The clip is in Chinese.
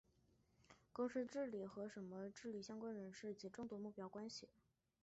公司治理方法也包括公司内部利益相关人士及公司治理的众多目标之间的关系。